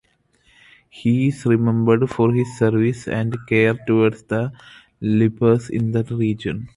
He is remembered for his service and care towards the lepers in the region.